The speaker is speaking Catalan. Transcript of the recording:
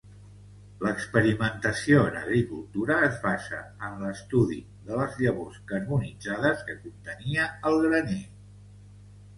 L'experimentació en agricultura es basa en l’estudi de les llavors carbonitzades que contenia el graner.